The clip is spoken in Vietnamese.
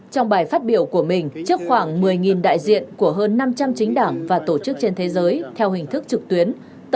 trong bài phát biểu của mình trước khoảng một mươi đại diện của hơn năm trăm linh chính đảng và tổ chức trên thế giới theo hình thức trực tuyến